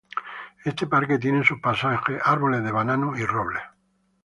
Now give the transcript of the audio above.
Este parque tiene en su paisaje árboles de banano, y robles.